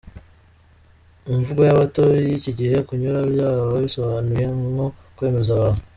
Mu mvugo y’abato y’iki gihe, kunyura byaba bisobanuye nko kwemeza abantu.